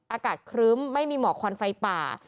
อากาศครึ้มไม่มีหมอกควันไฟป่า